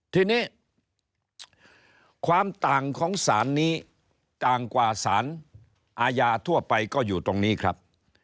ทีนี้ความต่างของสารนี้ต่างกว่าสารอาญาทั่วไปก็อยู่ตรงนี้ครับ